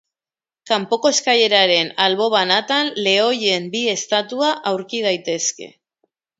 Kanpoko eskaileraren albo banatan lehoien bi estatua aurki daitezke.